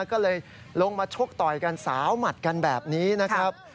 ก็เลยลงมาชกต่อยกันสาวหมัดกันแบบนี้นะครับ